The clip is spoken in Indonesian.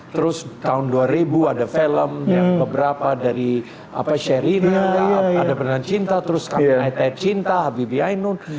terus tahun dua ribu ada film yang beberapa dari sherina ada benar cinta terus kami aitai cinta habibi ainu